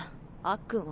「あっくん」？